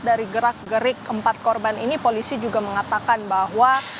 dari gerak gerik empat korban ini polisi juga mengatakan bahwa